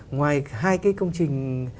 ngoài hai cái công trình